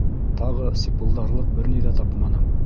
Тағы сипылдарлыҡ бер ни ҙә тапманым.